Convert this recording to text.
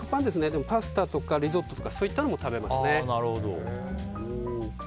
でもパスタとかリゾットとかも食べますね。